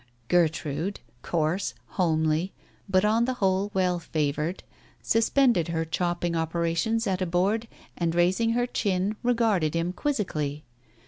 Gertrude, coarse, homely, but on the whole well favoured, suspended her chopping operations at a board, and raising her chin, regarded him quizzically.